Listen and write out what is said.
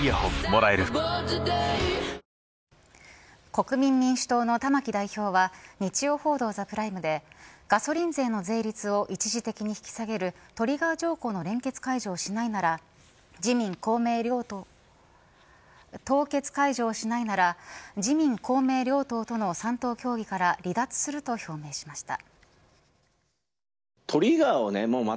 国民民主党の玉木代表は日曜報道ＴＨＥＰＲＩＭＥでガソリン税の税率を一時的に引き下げるトリガー条項の連結解除をしないなら自民、公明両党凍結解除をしないなら自民、公明両党との３党協議から離脱すると表明しました。